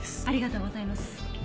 ありがとうございます。